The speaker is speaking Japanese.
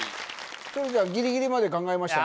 鶴ちゃんギリギリまで考えましたね